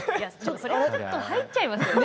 それはちょっと入っちゃいますよね。